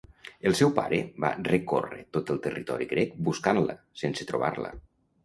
El seu pare va recórrer tot el territori grec buscant-la, sense trobar-la.